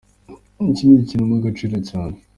Iki ni ikintu mpa agaciro cyane.”